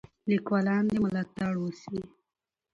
لیکوالان دې ملاتړ وسي.